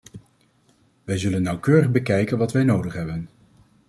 Wij zullen nauwkeurig bekijken wat wij nodig hebben.